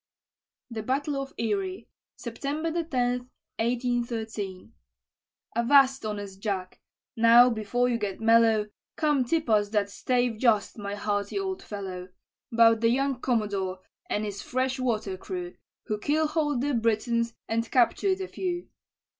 THE BATTLE OF ERIE [September 10, 1813] Avast, honest Jack! now, before you get mellow, Come tip us that stave just, my hearty old fellow, 'Bout the young commodore, and his fresh water crew, Who keelhaul'd the Britons, and captured a few.